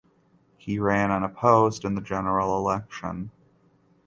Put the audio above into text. He ran unopposed in the general election.